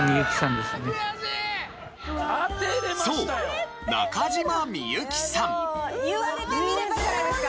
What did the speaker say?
そう言われてみればじゃないですか？